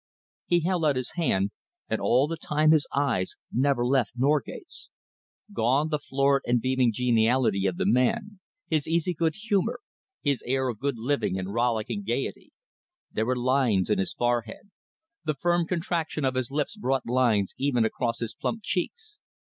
He held out his hand, and all the time his eyes never left Norgate's. Gone the florid and beaming geniality of the man, his easy good humour, his air of good living and rollicking gaiety. There were lines in his forehead. The firm contraction of his lips brought lines even across his plump cheeks.